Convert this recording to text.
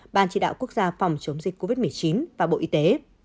ban chỉ đạo quốc gia phòng chống dịch covid một mươi chín và bộ y tế